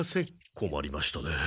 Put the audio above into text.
こまりましたね。